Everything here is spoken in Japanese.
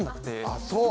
あっそう。